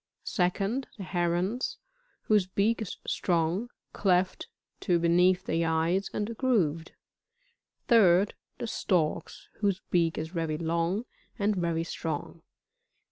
2nd The Herons, whose beeUr is strong, cleft to beneath the eyes, and grooved. 3d. The Storks, whose beak is very long, and very strong.